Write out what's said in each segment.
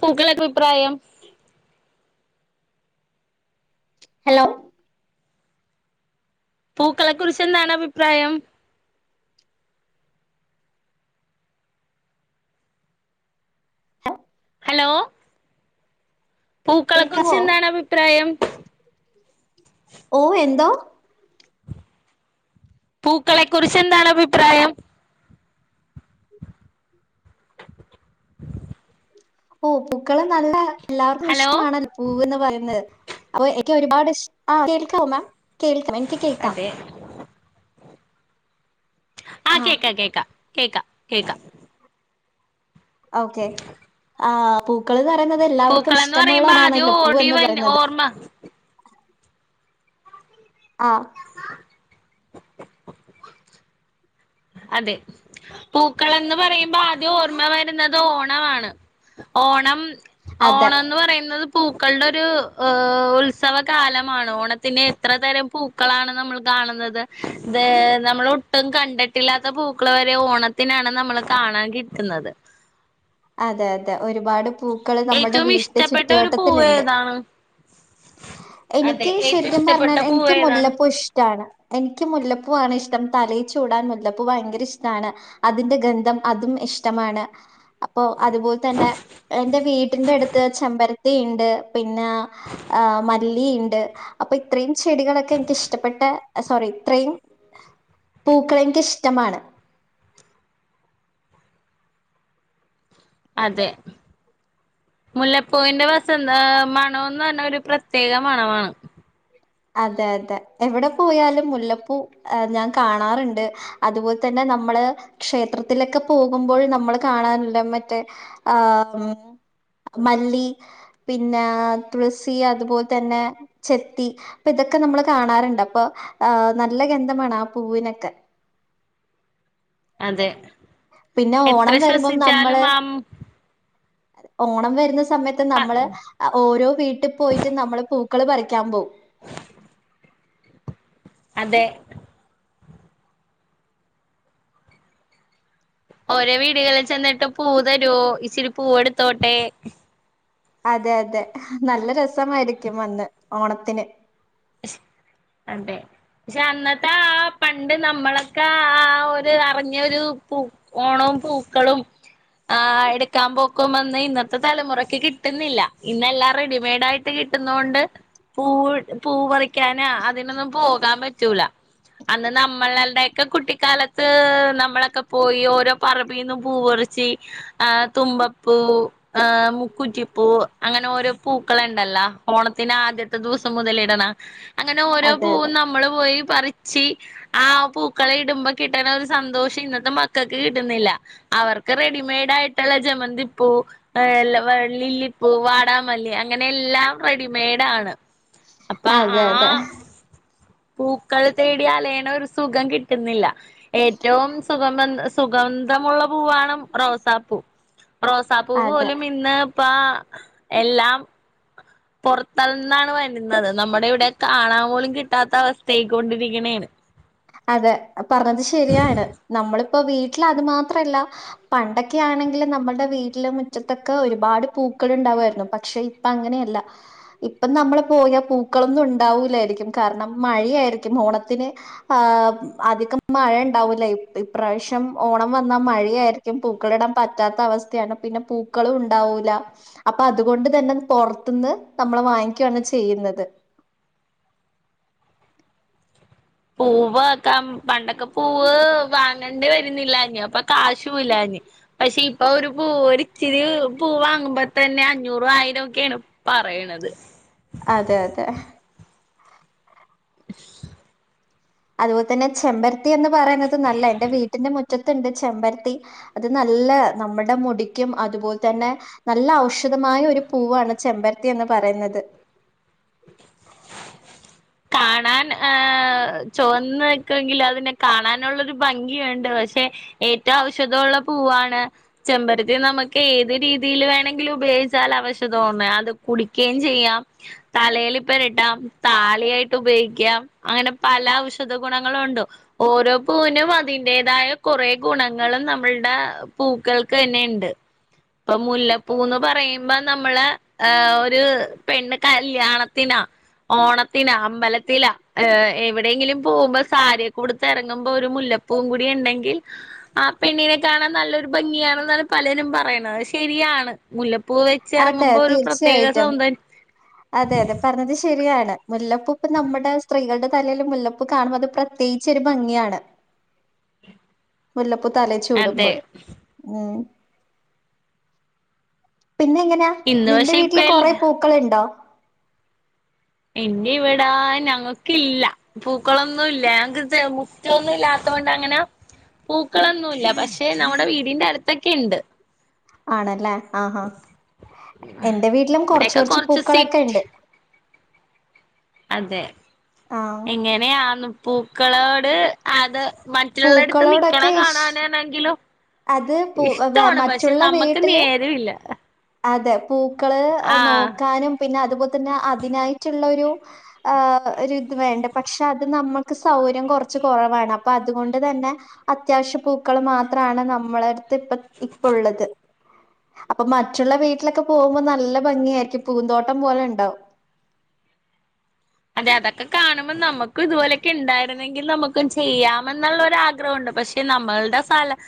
പൂക്കളൊക്കഭിപ്രായം hello പൂക്കളെ കുറിച്ച് എന്താണ് അഭിപ്രായം ഹലോ പൂക്കളെക്കുറിച്ച് കേൾക്കാവോ എന്താണ് അഭിപ്രായം ഓ എന്തോ പൂക്കളെ കുറിച്ച് എന്താണ് അഭിപ്രായം [unintelligible] ഓ പൂക്കളം നല്ല എല്ലാവർക്കും ഹലോ ഇഷ്ടമാണല്ലോ പൂവ് പറയുന്നത് അപ്പൊ എനിക്ക് ഒരുപാട് ഇഷ്ട ആ കേൾക്കാവ മാം കേൾക്കാം എനിക്ക് കേൾക്കാം അതെ ആഹ് ആ കേക്കാം കേക്ക കേക്ക കേക്കാം ഓക്കേ ആ പൂക്കൾ പറയുന്നത് എല്ലാവർക്കും പൂക്കളെന്ന് പറയുമ്പോ ആദ്യം ഇഷ്ടമുള്ളതാണല്ലോ ഓടി പൂവ് വ പറയുന്നത് ഓർമ്മ ആ അതെ പൂക്കളന്ന് പറയുമ്പോ ആദ്യം ഓർമ്മ വരുന്നത് ഓണമാണ് ഓണം അതെ ഓണം എന്ന് പറയുന്നത് പൂക്കളുടെ ഒരു ഉം ഉത്സവകാലമാണ് ഓണത്തിന്റെ എത്ര തരം പൂ പൂക്കളാണ് നമ്മൾ കാണുന്നത് ഇ നമ്മൾ ഒട്ടും കണ്ടി കില്ലാത്ത പൂക്കൾ വരെ ഓണത്തിനാണ് നമ്മള് കാണാൻ കിട്ടുന്നത് അതെ അതെ ഒരുപാട് പൂക്കള് നമ്മുടെ ഏറ്റവും വീട്ട് ഇഷ്ടപ്പെട്ട ഒരു പൂവ് ചുറ്റുവട്ടത്തിലുണ്ട് ഏതാണ് അതെ എനിക്ക് ഏറ്റവും ശരിക്കും ഇഷ്ടപ്പെട്ട പറഞ്ഞാൽ പൂവ് എനിക്ക് ഏതാണ് മുല്ലപൂ ഇഷ്ട ഇടാണ് എനിക്ക് മുല്ലപ്പൂവാണ് ഇഷ്ടം തലയിൽ ചൂടാൻ മുല്ലപ്പൂ ഭയങ്കര ഇഷ്ടമാണ് അതിന്റെ ഗന്ധം അതും ഇഷ്ടമാണ് അപ്പൊ അതുപോലെ തന്നെ എന്റെ വീട്ടിന്റെ അടുത്ത് ചെമ്പരത്തി ഉണ്ട് പിന്നെ ആ മല്ലി ഇണ്ട് അപ്പൊ ഇത്രയും ചെടികളൊക്കെ എനിക്ക് ഇഷ്ടപ്പെട്ട സോറി ഇത്രയും പൂക്കളെ എനിക്കി ഇഷ്ടമാണ് അതെ മുല്ലപ്പൂവിന്റെ വസന്ത മണം ന്ന് പറഞ്ഞാ ഒരു പ്രത്യേക മണമാണ് അതെ അതെ എവിടെ പോയാലും മുല്ലപ്പൂ ഞാൻ കാണാറുണ്ട് അതുപോലെ തന്നെ നമ്മള് ക്ഷേത്രത്തിലൊക്കെ പോകുമ്പോൾ നമ്മള് കാണാനുള്ള മറ്റേ ആഹ് മല്ലി പിന്നെ തുളസി അതുപോലെ തന്നെ ചെത്തി അപ്പൊ ഇതൊക്കെ നമ്മൾ കാണാറുണ്ട് അപ്പൊ നല്ല ഗന്ധമാണ് ആ പൂവിനൊക്കെ അതെ പിന്നെ എത്ര ഓണം വരുമ്പോം ശ്വസിച്ചാലും നമ്മള് ആ ഓണം വരുന്ന സമയത്ത് നമ്മള് ഓരോ വീട്ടിൽ പോയിട്ട് നമ്മള് പൂക്കള് പറിക്കാൻ പോവും അതെ ഓരോ വീടുകളിൽ ചെന്നിട്ട് പൂ തരുവോ ഇച്ചിരി പൂവ എടുത്തോട്ടെ അതെ അതെ നല്ല രസമായിരിക്കും അന്ന് ഓണത്തിന് സ് അതെ പക്ഷെ അന്നത്തെ ആ പണ്ട് നമ്മളൊക്കെ ആ ഒരു അറിഞ്ഞൊരു പൂ ഓണവും പൂക്കളും ആഹ് എടുക്കാൻ പോക്കും അന്ന് ഇന്നത്തെ തലമുറക്ക് കിട്ടുന്നില്ല ഇന്നെല്ലാം റെഡിമെയ്ഡ് ആയിട്ട് കി കിട്ടുന്നണ്ട് പൂ പൂ പറിക്കാന് അതിനൊന്നും പോകാൻ പറ്റൂല. അന്ന് നമ്മളല്ലയൊക്കെ കുട്ടിക്കാലത്ത് നമ്മളൊക്കെ പോയി ഓരോ പറ ബ്ബിന്ന് പൂവൊറിച്ചി ആഹ് തുമ്പപ്പൂ ആഹ് മുക്കുറ്റിപ്പൂ അങ്ങനെ ഓരോ പൂക്കളുണ്ടല്ലോ ഓണത്തിന് ആദ്യത്തെ ദിവസം മുതല ദാണ അങ്ങനെ ഓരോ അതെ പൂവും അതെ നമ്മള് പോയി പറച്ച് ആഹ് പൂക്കള് ഇടുമ്പോ കിട്ടൻ ഒരു സന്തോഷം ഇന്നത്തെ മക്കൾക്ക് കിട്ടുന്നില്ല. അവർക്ക് റെഡിമെയ്ഡ ആയിട്ടുള്ള ജമന്തിപ്പു എ വ ലില്ലിപ്പൂ വാടാമല്ലി അങ്ങനെ എല്ലാം റെഡിമെയഡ് ആണ്. അപ്പൊ അതെ അതെ ആ പൂക്കൾ തേടി അലയണ ഒരു സുഖം കിട്ടുന്നില്ല. ഏറ്റവും സുഗ സുഗന്ധമുള്ള പൂവാണ് റോസാപ്പൂ. റോസാപ്പൂവ് അതെ പോലും ഇന്ന് ഇപ്പ എല്ലാം പുറത്തന്നാണ് വ രുന്നത് നമ്മുടെ ഇവിടെ കാണാൻ പോലും കിട്ടാത്ത അവസ്ഥയായിക്ക കൊണ്ടിരിക്കണാണ് അതെ ആഹ് പറഞ്ഞത് ശരിയാണ് നമ്മളിപ്പോ വീട്ടിൽ അത് മാത്രല്ല പണ്ടൊക്കെ ആണെങ്കിൽ നമ്മളുടെ വീട്ടില മുറ്റത്തൊക്കെ ഒരുപാട് പൂക്കൾ ഉണ്ടാവുമായിരുന്നു പക്ഷെ ഇപ്പ അങ്ങനെയല്ല ഇപ്പം നമ്മള് പോയാൽ പൂക്കളൊന്നും ഉണ്ടാവൂില്ലായിരിക്കും കാരണം മഴയായിരിക്കും ഓണത്തിന് ആഹ് അധികം മഴ ഉണ്ടാവൂല ഇപ്രാവശ്യം ഓണം വന്നാ മഴയായിരി രിക്കും പൂക്കള ഇടാൻ പറ്റാത്ത അവസ്ഥയാണ് പിന്നെ പൂക്കളും ഉണ്ടാവൂല. അപ്പൊ അതുകൊണ്ട് തന്നെ പുറത്തുന്ന് നമ്മളെ വാങ്ങിക്കുവയാണ് ചെയ്യുന്നത്. പൂവ്ക്ക പണ്ടൊക്കെ പൂവ് വാങ്ങേണ്ടി വരുന്നില്ല അപ്പൊ കാശുവല്ലഞ്. പക്ഷെ ഇപ്പൊ ഒരു പൂവ ഇച്ചിരി പൂ വാങ്ങുമ്പോ തന്നെ അഞ്ഞൂറ ആയിരം ഒക്കെയ ആണ് പറയണത് അതെ അതെ [unintelligible] അതുപോലെ തന്നെ ചെമ്പരത്തി എന്ന് പറയുന്നത് നല്ല എന്റെ വീട്ടിന്റെ മുറ്റത്തുണ്ട് ചെമ്പരത്തി അത് നല്ല നമ്മുടെ മുടിക്കും അതുപോലെ തന്നെ നല്ല ഔഷധമായ ഒരു പൂവാണ് ചെമ്പരത്തി എന്ന് പറയുന്നത്. കാണാൻ ഹ ചോന്ന നിക്കുവെങ്കിൽ അതിനെ കാണാനുള്ളൊരു ഭംഗിയുണ്ട് പക്ഷെ ഏറ്റവും ഔഷധമുള്ള പൂവാണ് ചെമ്പരത്തി നമുക്ക് ഏത് രീതിയിൽ വേണങ്കിലും ഉപയോഗിച്ചാൽ അവശധോണ്ട് അത് കുടിക്കുകയും ചെയ്യാം തലേൽിപ്പര്ട്ടാം തലയായിട്ട് ത്തു ഉപയോഗിക്കാം അങ്ങനെ പല ഔഷധ ഗുണങ്ങള ഉണ്ട് ഓരോ പൂവിനും അതിന്റേതായ കുറേ ഗുണങ്ങളും നമ്മളുടെ പൂക്കൾക്ക് തന്നെ ഉണ്ട്. ഇപ്പൊ മുല്ലപ്പൂന്ന് പറയുമ്പോ നമ്മള് ആഹ് ഒരു പെണ് കല്യാണത്തിനാ ഓണത്തിനാ സ്ലത്തില എവിടെയെങ്കിലും പോകുമ്പോ സാരിയൊക്കെ കൊടുത്ത് ഇറങ്ങുമ്പോ ഒരു മുല്ലപ്പവും കൂടി ഉണ്ടെങ്കിൽ ആഹ് പെണ്ണിനെ കാണാൻ നല്ലൊരു ഭംഗിയണെന്നാണ് പലരും പറയണ അത് ശരിയാണ് മുല്ലപ്പൂ് വെച്ച് അതെ ഇറങ്ങുമ്പോ ഒരു പ്രത്യേക തീർച്ചയായിട്ടും സൗന്ദര്യം അതെ അതെ പറഞ്ഞത് ശരിയാണ് മുല്ലപ്പൂപ്പ് നമ്മുടെ സ്ത്രീകളുടെ തലയിൽ മുല്ലപ്പ് കാണുമ്പ അത് പ്രത്യേകിച്ചൊ ഒരു ഭംഗിയാണ്. മുല്ലപ്പൂ തലേ അതെ ചൂടുമ്പോൾ. ഉം പിന്നെ എങ്ങനെയാ ഇന്ന് നിന്റെ പക്ഷെ വീട്ടില് ഇപ്പഴല്ല കൊറെ പോ ക്കളണ്ടോ? എൻ ഇവിട ഞങ്ങക്കില്ല. പൂക്കളൊന്നും ഇല്ല ഞങ്ങ തെ എ ഹ് മുറ്റമൊന്നും ഇല്ലാത്ത കൊണ്ട് അങ്ങനെ. പൂക്കളൊന്നുയില്ല പക്ഷെ നമ്മുടെ വീടിന്റെ അടുത്തൊക്കെ ഉണ്ട് ആണല്ലേ ആഹ് ഹാ എന്റെ വീട്ടിലും കൊറച്ച് ഇവിടെയൊക്കെ കുറച്ച് പൂക്കളൊക്കെ സിറ്റ് ഇണ്ട് അതെ ആഹ് എങ്ങനെയാന്ന് പ്പൂക്കളോട്, അത് മറ്റിലുള്ളടുത്ത് നിക്കണ, പൂക്കളോടൊക്കെ ഇഷ് കാണാനാണെങ്കിലും, അത് പു വ ഇഷ്ടമാണ് പക്ഷെ മറ്റുള്ള നമ്മക്ക് വീട്ടില്, നേരമില്ല അതെ പൂക്കള് ആഹ് നോക്കാനും പിന്നെ, അതുപോലെ തന്നെ, അതിനായിട്ടുള്ളൊരു, ആഹ് ഒരു ഇത് വേണ്ട, പക്ഷെ അത് നമ്മൾക്ക് സൗകര്യം കുറച്ച്- കുറവാണ് അപ്പോ അതുകൊണ്ട് തന്നെ. അത്യാവശ്യ പൂക്കൾ മാത്രമാണ്- നമ്മള അടുത്ത് ഇപ്പ, ഇപ്പ ഉള്ളത്. മറ്റുള്ള വീട്ടിലൊക്കെ പോകുമ്പോ- നല്ല ഭംഗിയായിരിക്കും, പൂന്തോട്ടം പോലെ ഉണ്ടാവും. അതെ അതൊക്കെ കാണുമ്പോൾ നമുക്കും ഇതുപോലെയൊക്കെ ഇണ്ടായിരുന്നെങ്കിൽ നമുക്കും, ചെയ്യാമെന്നുള്ള ഒരു ആഗ്രഹംണ്ട് പക്ഷെ, നമ്മളുടെ സ്ഥലം.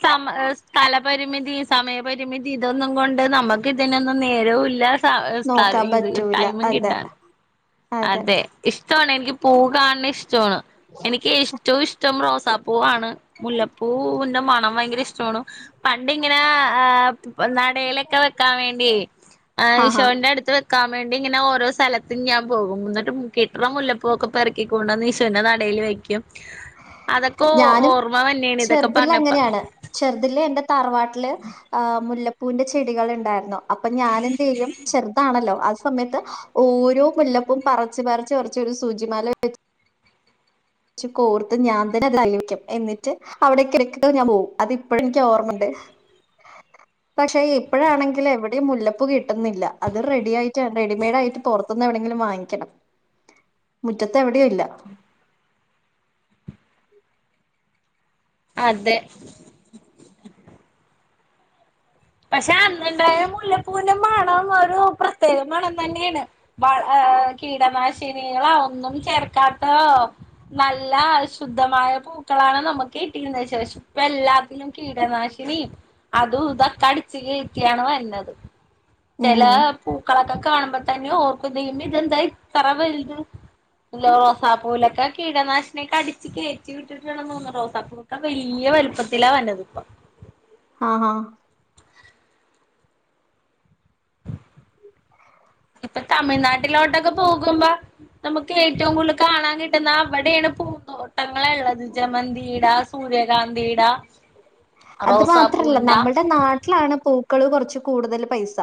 സമ സ്ഥലപരിമിതി, സമയപരിമിതി ഇതൊന്നും കൊണ്ട് നമുക്ക് ഇതിനൊന്നും നേരവും ഇല്ല. സ് നോക്കാൻ ഇത് പറ്റൂല. ടൈമി അതെ കിട്ടാൻ, അതെ ഇഷ്ടമാണ്, എനിക്ക് പൂ- കാണണ ഇഷ്ടമാണ്. എനിക്ക് ഏറ്റവും ഇഷ്ട- ഇഷ്ടം റോസാപ്പൂവണ്, മുല്ലപ്പൂവിന്റെ മണം ഭയങ്കര ഇഷ്ടമാണ്. പണ്ടിങ്ങനെ ആഹ് നടയിലൊക്കെ വെക്കാൻ വേണ്ടി- ആഹാ ശോന്റെ അടുത്ത് വെക്കാൻ വേണ്ടി ഇങ്ങനെ ഓരോ സ്ഥലത്തും ഞാ- പോകും എന്നിട്ട് കിട്ടണ മുല്ലപ്പു- ഒക്കെ പെറുക്കിക്കൊണ്ടുവന്ന്- ഈശോന്റെ നടയിൽ വെക്കും. അതൊക്കെ ഞാനും ഓർമ്മ തന്നെയാണ് ഇതൊക്കെ ചെറുതില് പറഞ്ഞപ്പോ- അങ്ങനെയാണ്. ചെറുതില് എന്റെ തറവാട്ടില് മുല്ല- പൂവിന്റെ ചെടികൾ ഉണ്ടായിരുന്നു, അപ്പോ ഞാൻ എന്തെലും, ചെറുതാണല്ലോ ആ സമയത്ത്- ഓരോ മുല്ലപ്പും പറച്ച് പറിച്ച് കൊറച്ച് ഒരു ശൂചിമാല വെ- ഒരുമിച് കോർത്ത് ഞാൻ തന്നെ- അത് തലയിൽ വെക്കും എന്നിട്ട്- അവിടേക്ക് വെച്ചിട്ട് ഞാൻ പോവും, അത് ഇപ്പോഴും ഇനിക്ക് ഓർമ്മണ്ട്. [inaudible] പക്ഷെ ഇപ്പോഴാണെങ്കിൽ എവിടെയും മുല്ലപ്പൂ കിട്ടുന്നില്ല, അത് റെഡി ആയിട്ടാണ്, റെഡിമെയ്ഡ് ആയിട്ട്- പൊറത്ത്ന്ന് എവിടെന്നെങ്കിലും വാങ്ങിക്കണം. [inaudible] മുറ്റത്ത് എവിടെയും ഇല്ല. അതെ. പക്ഷെ അന്നുണ്ടായ മുല്ലപ്പൂന്റെ- മണം ഒരു പ്രത്യേക മണം തന്നെയാണ്. വ കീടനാശിനികളാ, ഒന്നും ചേർക്കാത്ത. നല്ല ശുദ്ധമായ പൂക്കളാണ് നമുക്ക് കിട്ടിയിരുന്ന ശേഷം. ഇപ്പ എല്ലാത്തിനും കീടനാശിനി, അതും, ഇതൊക്കെ അടി- ക്യണ് വരുന്നത്, ഉം ചെല- പൂക്കളൊക്കെ കാണുമ്പോ തന്നെ ഓർ- ദൈവമോ ഇതെന്താ ഇത്ര വലുത്. ല്ല റൊസാപ്പൂലൊക്കെ, കീടനാശിനിയൊക്കെ അടിച്ച് കയറ്റി. അടിച്ചിട്ടാണ് തോന്നുണെ, റോസാ പൂവൊക്കെ വലിയ വലുപ്പത്തിലാ വരുന്നത് ഇപ്പ. ആ ഹാ. ഇപ്പോ തമിഴ്നാട്ടിലോട്ടൊക്കെ പോകുമ്പോ- നമുക്ക് ഏറ്റവും കൂടുതൽ കാണാൻ കിട്ടുന്ന അവിടെയാണ് പുന്തോ- തോട്ടങ്ങള് ഉള്ളത് ജമന്തിട, സൂര്യകാന്തിട. അത് മാത്രല്ല റോസാപ്പൂവിന്റ നമ്മുടെ നാട്ടിലാണ്, പൂക്കള് കുറച്ച് കൂടുതൽ പൈസ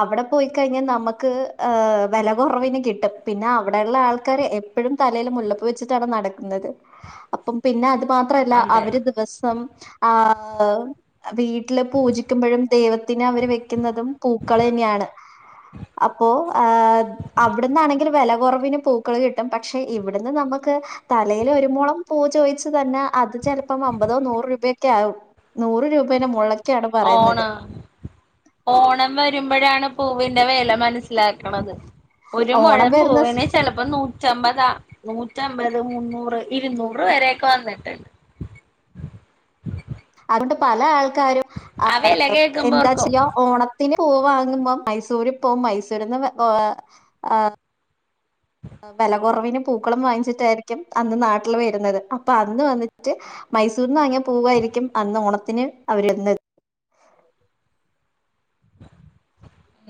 അവിടെ പോയിക്കഴിഞ്ഞാൽ- നമുക്ക് ഹ വിലകുറവിന് കിട്ടും. പിന്നെ അവിടെ ഉള്ള ആൾക്കർ- എപ്പോഴും തലയിൽ മുല്ലപ്പു വെച്ചിട്ടാണ് നടക്കുന്നത്. [inaudible] അപ്പം പിന്നെ അത് മാത്രല്ല, അതെ അവര് ദിവസം ആഹ... വീട്ടില് പൂജിക്കുമ്പോഴും, ദൈവത്തിന് അവര് വെക്കുന്നതും, പൂക്കൾ തന്നെയാണ്. അപ്പോ അവിടന്നാണെങ്കിൽ വിലകുറവിന് പൂ- ക്കള് കിട്ടും പക്ഷെ ഇവിടുന്ന് നമുക്ക്. തലൽ ഒരുമോളം പൂ ചോദിച്ചു, തന്നെ അത് ചിലപ്പം അമ്പതോ നൂറ് രൂപ. ക്കാകും നൂറ് രൂപേന മുകളിലാവും. ഓണോ? ഓണം വരുമ്പോഴാണ് പൂവിന്റെ വെല മനസ്സിലാക്ക്ണത് ഒരു ഓണം മൊഴം വരുന്ന സ് പൂവിന് ചെലപ്പോ നൂറ്റമ്പതാ, നൂറ്റമ്പത്, മുന്നൂറ്, ഇരുന്നൂറ്, വരെയൊക്കെ വന്ന്ട്ട്ണ്ട് അതുകൊണ്ട് പല ആൾക്കാരും ആ വില എന്താ കേക്കുമ്പോർക്കും ചെയ്യാ ഓണത്തിന് പൂവ് വാങ്ങുമ്പോ മൈസൂരി പോവും മൈസൂരിന്ന് [unintelligible] വെല കൊറവിന് പൂക്കളും വാങ്ങിച്ചിട്ടായിരിക്കും അന്ന് നാട്ടില് വരുന്നത് അപ്പൊ അന്ന് വന്നിട്ട് മൈസൂർന്ന് വാങ്ങിയ പൂവായിരിക്കും അന്ന് ഓണത്തിന് അവരിടുന്നത്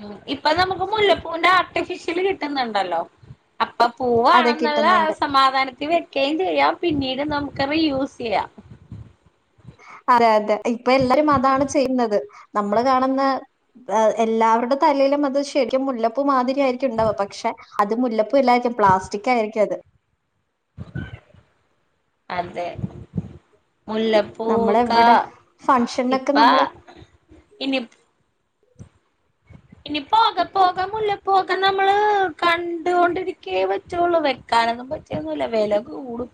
ഉം ഇപ്പൊ നമുക്ക് മുല്ലപ്പൂന്റെ ആർട്ടിഫിഷ്യല് കിട്ടുന്ന്ണ്ടല്ലോ? അപ്പൊ അതൊക്കെ പൂവാണെന്ന്ള്ള കിട്ടുന്നുണ്ട് സമാധാനത്തിന് വെക്കേം ചെയ്യാം പിന്നീട് നമ ക്ക് റി യൂസെയ്യാം അതെ അതെ ഇപ്പല്ലരും അതാണ് ചെയ്യുന്നത് നമ്മള് കാണുന്ന എല്ലാവരുടെ തലേലും അത് ശരിക്കും മുല്ലപ്പൂമാതിരി ആയിരിക്കുണ്ടാവ പക്ഷെ അത് മുല്ലപ്പൂവെല്ലായിരിക്കും പ്ലാസ്റ്റിക്കായിരിക്കു അത് അതെ മുല്ലപ്പു വക്കാ നമ്മളെവിടെ ഫംഗ്ഷനൊക്കെ ഇപ്പാ നമ്മള് ഇനി ഇനി പോകെ പോക മുല്ലപ്പൂവക്ക നമ്മള് കണ്ടുകൊണ്ടിരിക്കേ പറ്റൊള്ളൂ വെക്കാനൊന്നും പറ്റൂ ന്നുല്ല വെല കൂടും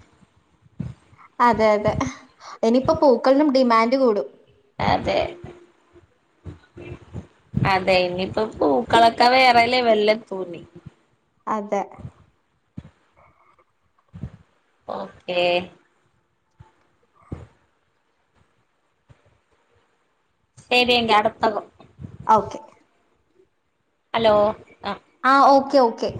അതെ അതെ ഇനിയിപ്പോ പൂക്കളിനും ഡിമാൻഡ് കൂടും അതെ അതെ ഇന്നിപ്പൊ പൂക്കളൊക്കെ വേറെ ലെവലിലെത്തുനി അതെ ഓക്കേ ശരിയെങ്കി അടുത്ത കോ ഓക്കെ ഹലോ ആഹ് ആ ഓക്കെയൊക്കെ